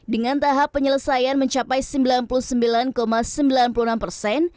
dengan tahap penyelesaian mencapai sembilan puluh sembilan sembilan puluh enam persen